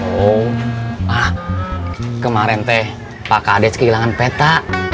oh ah kemarin teh pak kadej kehilangan peta